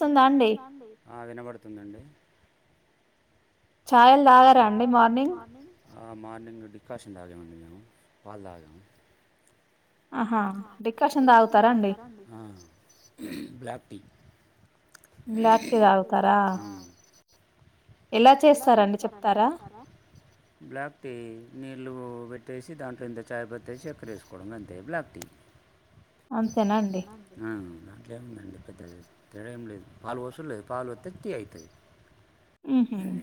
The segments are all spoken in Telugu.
వినిపిస్తుందా అండి వినబడుతుందండి ఛాయలు తాగరా అండి మార్నింగ్ మార్నింగ్ డిక్కకాషన్ తాగ్యాం అండి మేము పల్దాగాము ఆహ డికషన్ తాగుతారా అండి ఆ బ్లాక్ టి బ్లాక్ టీ తాగుతారా ఎలా చేస్తారుడి చేప్తారా బ్లాక్ టీ ని లు పెట్టేసి దాంట్లో ఇంత చాయ్పతి ఏసి చెక్కర్ ఎసుకోడం అంతె ఎ బ్లక్ టీ ఆ దాంట్లో ఏముందండి పెద్ద తేడా ఏం లేదు పాలు పోసలులేదు పాలు పొత్తే టీ అయితది ఉహుమ్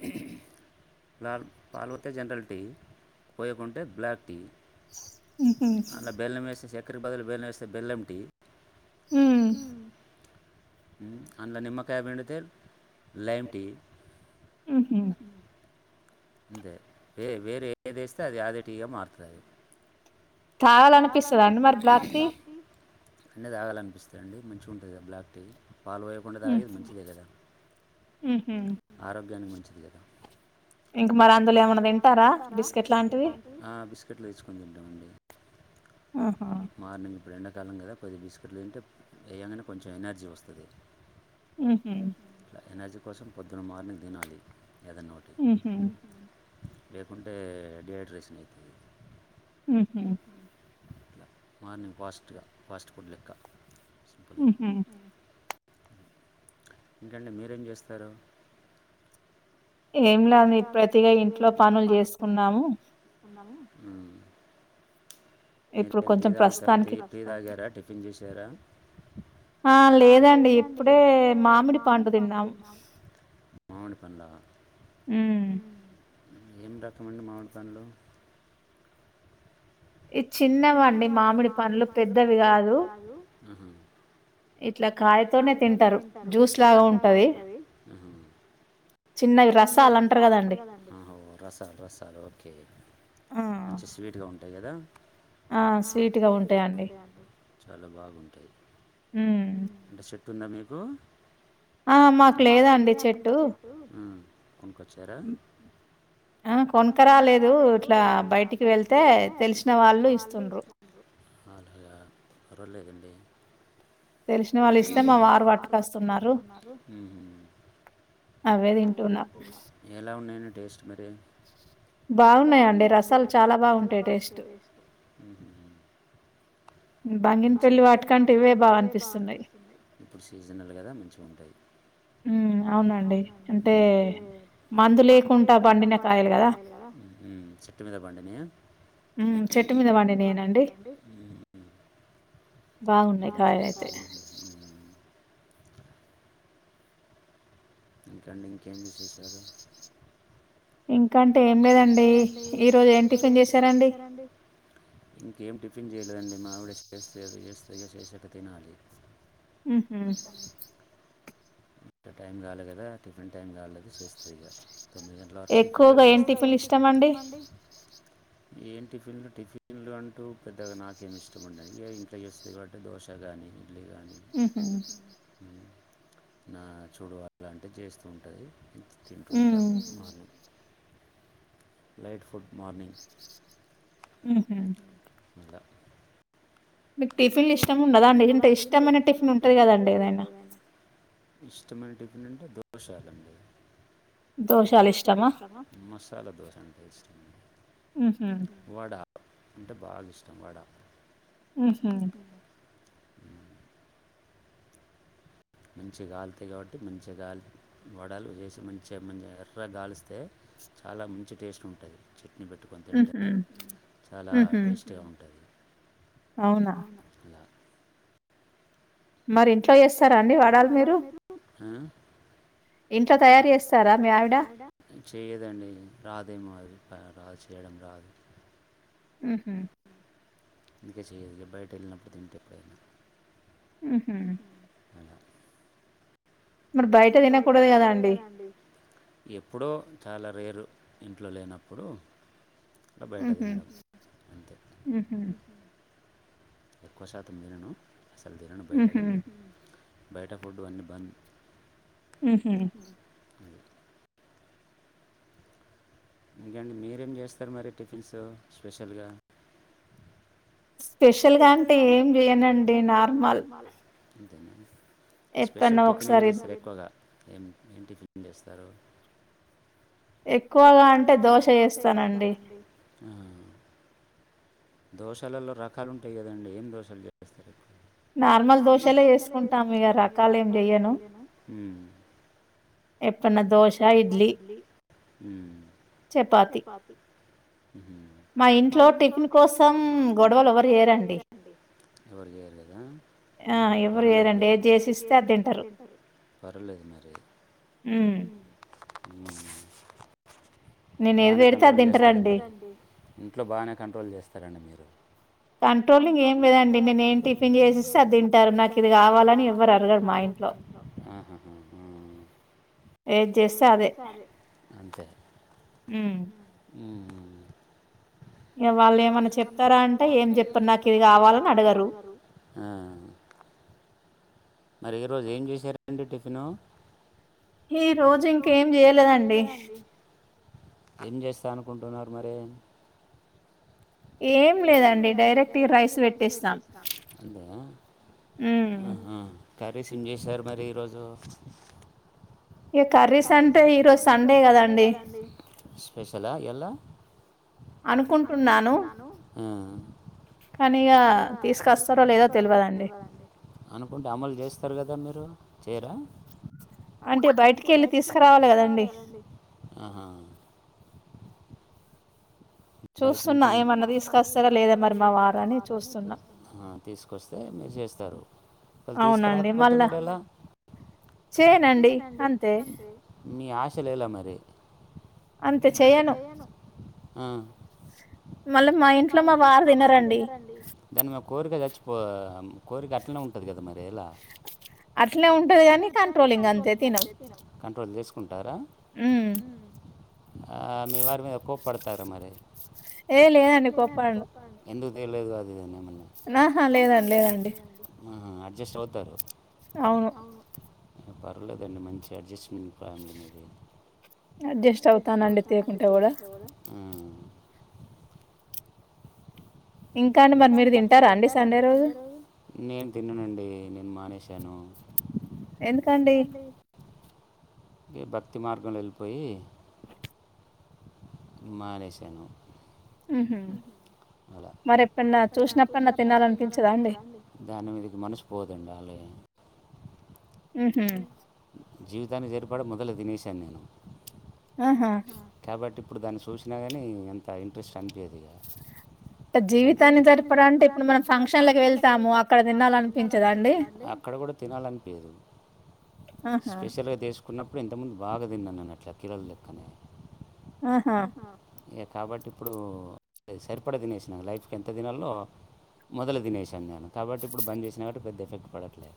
లాల్ పాల్ పొత్తే జనరల్ టీ పోయకుంటే బ్లాక్ టీ అల బెల్లం వేసి చే చక్కెర బదులు బెల్లం వేస్తే బెల్లం టీ అంత నిమ్మకాయి పిండితే లైమ్ టీ మ్ హమ్ వేరే ఎదేస్తే అది అదేటీగా మారుతది తగలనిపిస్తదా అండి మరి బ్లాక్ టీ అన్నీ తాగాలనిపిస్తాదండి మంచిగా ఉంటుందిగా బ్లాక్ టీ పాలు వోయకుండా తాగేది మంచిదే కదా ఆరోగ్యానికి మం చాలేద మరి అందులో ఎమన్నా తింటారా బిస్కెట్ లాంటివి కెట్లు తీసుకొని తింటాం అండి మార్నింగ్ ఇప్పుడు ఎండ్ కాలం కదా కొద్ది బిస్కెట్లు తింటే లేయ్యంగానే కొంచెం ఎనర్జీ వస్తది ఎనర్జీ కోసం పొద్దున మార్నింగ్ తినాలి ఎదన్న ఓటి లేకుంటే డిహైడ్రేషన్ అయితది హ్మ్ హు ఇలా మార్నింగ్ ఫాస్ట్గా ఫాస్ట్ ఫుడ్ లెక్క హ్మ్ హు ఇంకండి మీరేం చేస్తారు ఏమ్లె అంది ఇప్పుడైతే ఇగ ఇంట్లో పనులు చేసుకున్నాము నెన్ నే టీ తాగుతార్ టీ టీ తాగారా టిఫిన్ చేసారా ఆ లేదండి ఇప్పుడే మామిడి పండు తిన్నాం పండా హ్మ్ ఏం రకం అండి మామిడి పండ్లు ఇది చిన్నవండి మామిడి పండ్లు పెద్దవి కాదు ఆహ ఇట్లా కాయతోనే తింటారు జ్యూస్ లాగా ఉంటది చిన్నవి రసాలు అంటరు కదండీ రసాలు రసాలు ఓకే మంచి స్వీట్ గా ఉ ంటాయి కదా చాలా బాగుంటాయి ఆంటే తున్న మీకు ఆ మాకు లేదు అండి చెట్టు కొచ్చారా కొనక రాలేదు ఇలా బయటికి వెళ్తే తెలిసిన వాళ్ళు ఇండి తెలిసిన వాళ్ళు ఇస్తే మా వారు పట్టుక వస్తున్నారు అవే త నా పా ఉనే ఉ టేస్ట్ మర బావున్నాయండి రసాలు చాలా బావుంటాయి టేస్ట్ బంగిన పెళ్లి వాటికంటే ఇవే బాగా అనిపిస్తున్నాయి్ ఇప్పుడు సీజనల్ కదా మంచిగా ఉంటుంది ఉ అవునండి ఎంత అంటే మందు లేకుడా బండిన కాయలు కదా చెట్టు మీద బండి చెట్టు మీద బండి ఏండి రస్ దకా ఇంకండి ఇంకేం విసేసారు ఇంకా ఏం లేదండి ఈరోజు ఏం టిఫిన్ చేసారండి ఇంకేం టిఫిన్ చేయలేదండి మావిడ వ్యస్థ వ్యస్థయ శేషకత నాాలి ఉమ్ ఇ టైం కాలే కదా టిఫిన్ టైం కవాలేదా చేస్తుంది ఇక తొమ్మిదింటట్లడి ఎక్కువగా ఏం టిఫిన్లు ఇష్టామండి ఏం టిఫిన్లు టిఫిన్లు అంటూ పెద్దగా నాకేమి ఇష్టం ఉండేదు ఇంట్లో చేస్తుంది కాబట్టి దోశ కానీ ఇడ్లీ కానీ ఉ నా చూడువాలాంటివి చేస్తూ ఉంటుంది తింటుంటారు మని లైట్ ఫుడ్ మార్నింగ్. ఉ హ్మ్ ఉహు ఎడ. మీకు టిఫిన్లు ఇష్టం ఉండదా అండి ఇంత ఇష్టమైన టిఫిన్ ఉంటాది కదాండి ఎదైనా. ఇష్టమైన టిఫిన్ అంటే దోషాలు. దోషాలు ఇష్టమా మసాల దోసా ఇష్టం. వాడ. అంటే బాగా ఇష్టం వాడ. టిక్. మంచి గాలితాయి కాబట్టి మంచిగా గాలి వడాలు చేసి మంచిగా మంచి ఎర్ర గాలిస్తే చాలా మంచి టేస్ట్ ఉంటాది. ని పెట్టుకొని తింటే చాలా టేస్టీగా ఉంటాది. అవును అట్లా మరి ఇంట్లో చేస్తారా అండి వడాలు మీరు ఆ చేయదండి రాదేమో అది [inaudible] రాదు చెయ్యడం రాదు ఊహూ ఇంట్లో చెయ్యదులే బయట వెళ్ళినప్పుడు తింటా ఎప్పుడైనా ఊహూ ఎప్పుడో చాలా రేర్ ఇంట్లో లేనప్పుడు అట్ట బయట తినడం అంతే ఎక్కువ శాతం తినను అసలు తినను బయట గానీ బయట ఫుడ్డు అన్నీ బంద్ ఊహూ ఇంకేంటి మీరేం చేస్తారు మరి టిఫిన్స్ స్పెషల్ గా స్పెషల్ గా అంటే ఏం చెయ్యనండి నార్మల్ తనే స్పెషల్ టిఫన్ ఏం చేస్తారు ఎక్కువగా ఏం ఏ టిఫిన్ చేస్తారు ఆ దోషలల్లో రకాలు ఉంటాయి కదండి ఏం దోషెలు చేస్తారు నార్మల్ దోశలే చేసుకుంటాం ఇగ రకాలు ఏం చెయ్యను ఊ ఎప్పన్నా దోష ఇడ్లీ ఉమ్ ఎవరూ చెయ్యరు కదా ఆహా పర్వాలేదు [inaudible] పర్లేదు మరి ఉమ్ బానే కంట్రోల్ చేస్తారు మీరి ఇంట్లో బానే కంట్రోల్ చేస్తారండి మీరు అహాహా ఊ అంతే ఊ ఆ వాళ్ళు ఏమన్నా చెప్పారా అంటే ఏం చెప్పారు నాకు ఇది కావాలని అడగరు మరి ఈరోజు ఏం చేశారండి టిఫిను ఈ రోజు ఇంకేం చేయలేదండి ఏం చేస్తా అనుకుంటున్నారు మరి ఏం లేదండి డైరెక్ట్ రైస్ పెట్టేస్తా కర్రీస్ ఏం చేశారు మరి ఈరోజు కర్రీస్ అంటే ఈరోజు సండే కదండి స్పెషలా ఎలా అనుకుంటున్నాను ఆ కానీ ఇగ తీసుకొస్తారో లేదో తెలిదండి అనుకుంటే అమలు చేస్తారు కదా చేయరా అంటే బయటికి వెళ్ళి తీసుకురావాలి కదండి చూస్తున్న మరి ఏమన్నా తీసుకొస్తారో లేదో మరి మా వారు. ఆ తీసుకొస్తే చేస్తారు, మరి తీసుకురాకపోతే మరి ఎలా లేదండి మీ ఆశలు ఎలా మరి అంతే చేయను ఆ మళ్ళీ మా ఇంట్లో మా వారు తినరండి కానీ మా కోరిక వచ్చ పో కోరిక అట్టనే ఉంటుంది కదా మరి ఇలా అట్లే ఉంటది అని కంట్రోలింగ్ అంతే త క్రో అంటార ఆ మీ వారి మీద కోపడు తార మరి ఏ లేదండి కోప్పడును ఏం లేదు కదా అని ఆహా లేదండి లేదండి అడ్జస్ట్ అవుతారు అవును పర్లేలేదండి మంచి అడ్జస్ట్మెంట్ ప్రర్లే అడ్జస్ట్ అవుతానండీ తకుంటా కూడ ఇంకాండి మరి మీరు తింటారా అండి సండే రోజు నేను తిననండి నేను మానేసిన ఎంతండి ఈ భక్తి మార్గం వెళ్ళిపోయి మానేశాను అలా, దాని మీదకి మనిసుపోదండి అలాగే ఉహూమ్ తానికి సరిపడ మొదలే దినేసాన్ నేను ఆహా ఇప్పుడు దాన్ని చూసినాగానీ అంత ఇంట్రెస్ట్ కనిపియదిగా జీవితాన్ని జరిపడా అంటే ఇప్పుడు మనం ఫంక్షన్ వెళ్తాము అక్కడ తినాలనిపించదా అండి అక్కడ కూడా తినాలనిపియ్యదు స్పెషల్గా కున్నప్పుడే ఇంతముందు బాగా తిన్నా నేనట్లా కిలలు లెక్కనే ఆహా ఇగ కాబట్టి ఇప్పుడు సరిపడ తినేసిన లైఫ్కి ఎంత తినాల్నో మొదల దినేసాన్ నేను కాబట్టి ఇప్పుడు బన్ చేసినట్టి పెద్ద ఎఫెక్ట్ పడట్లే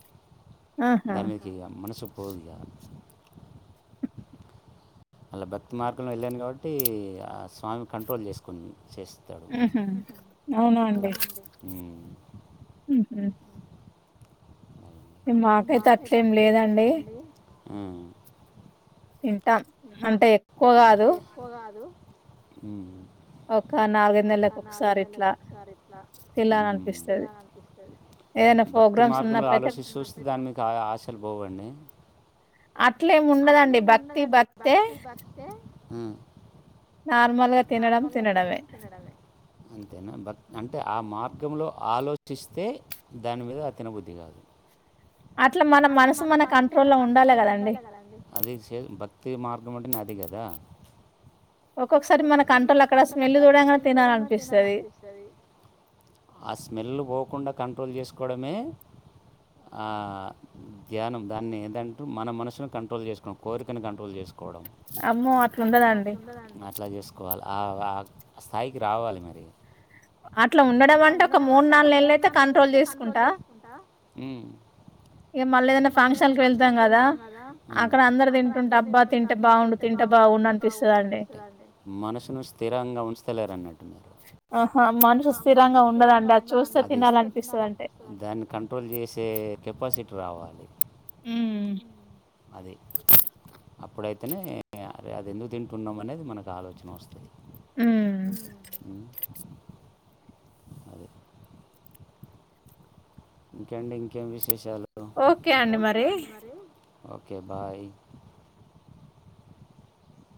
దానిమీదికి మనసు పోవిగా అలా భక్తి మార్గంలో వెళ్ళాను కాబట్టి ఆ స్వామి కం టోల్ చేసుకొని మీ చేస్తాడు ఉమ్ ఉహు మాకైతే అట్లేమి లేదండి ఉమ్ తింటాం అంటే ఎక్కువ కాదు హూ భక్తి మార్గంలా ఆలోసిసో కా ఆశలు బోవండి అట్లేమి ఉండదండి భక్తి భక్తే హుమ్ అంతేనా బ అంటే ఆ మార్గంలో ఆలోచిస్తే దాని మీద తినబుద్ధి కాదు అట్లా మన మనసు మన కంట్రోల్ లో ఉండాలి కదండి తీ మార్గం అంటే అది కదా ఒక్కొక్కసారి మన కంటల్ అక్కడ స్మేల్ చూడంగనే తినాలనిపిస్తది ఆ స్మేల్ పో తకుండా కంట్రోల్ చేసుకోవడమే ధ్యానం దాన్ని ఏదంటరు మన మనసును కంట్రోల్ చేసుకోవడం కోరికని కంట్రోల్ చేసుకోని కోడం మర్ అలా చేసుకోవాలి ఆ స్థాయికి రావాలి మరి అట్లా ఉండడం అంటే ఒక మూడు నాలుగు నెలలు అయితే కంట్రోల్ చేసుకుంటా ఇ మళ్ళీ ఏదైనా ఫంక్షన్ కి వెళ్తాం కదా అక్కడ అందరు తింటుంటే అబ్బా తింటే బాగుండు తింటే బాగుం అనిపిస్తుందండి మనసును స్థిరంగా ఉంచుతలేరన్నట్టున్ కంట్రోల్ చేసే కెపాసిటీ రావాలి అది అప్పుడైతేనే అది ఎందుకు తింటున్నాం అనేది మనకు ఇక ఆలోచన వస్తుంది ఊ అదిే ఇంకండి ఇంకేమి విష ఓకే అండి మరి ఓకే బాయ్